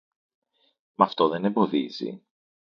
Μ' αυτό δεν εμποδίζει.